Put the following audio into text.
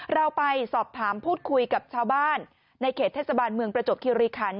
เราไปสอบถามพูดคุยกับชาวบ้านในเขตเทศบาลเมืองประจบคิริคัน